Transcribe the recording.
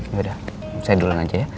yaudah saya duluan aja ya